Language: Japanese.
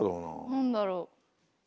何だろう？